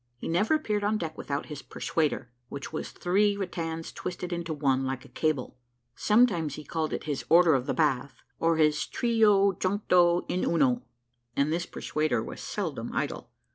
He never appeared on deck without his "persuader," which was three rattans twisted into one, like a cable; sometimes he called it his Order of the Bath, or his Tri_o_ junct_o_ in uno; and this persuader was seldom idle.